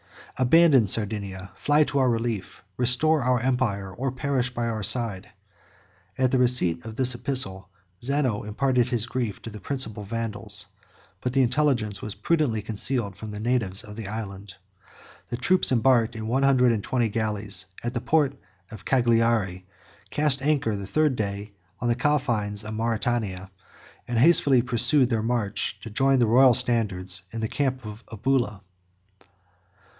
Abandon Sardinia; fly to our relief; restore our empire, or perish by our side." On the receipt of this epistle, Zano imparted his grief to the principal Vandals; but the intelligence was prudently concealed from the natives of the island. The troops embarked in one hundred and twenty galleys at the port of Caghari, cast anchor the third day on the confines of Mauritania, and hastily pursued their march to join the royal standard in the camp of Bulla.